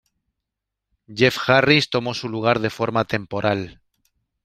Jeff Harris tomó su lugar de forma temporal.